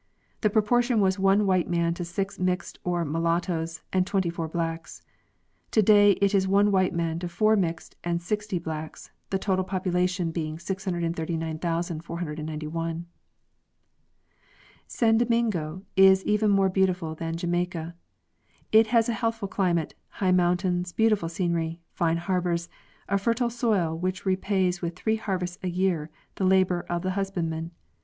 The proportion was one white man to six mixed or mulattoes and twenty four blacks; today it is one white man to four mixed and sixty blacks, the total popula tion being 639,491. San Domingo is even more beautiful than Jamaica. It has a healthful chmate, high mountains, beautiful scenery, fine harbors, a fertile soil which repays with three harvests a year the labor of the husbandman.